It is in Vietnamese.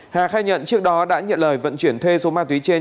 hà khai nhận trước đó đã nhận lời vận chuyển thuê số ma túy trên